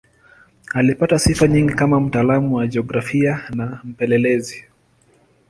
Alipata sifa nyingi kama mtaalamu wa jiografia na mpelelezi.